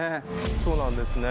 そうなんですね。